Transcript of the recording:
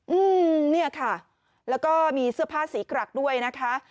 อืมเนี่ยค่ะแล้วก็มีเสื้อผ้าสีกรักด้วยนะคะ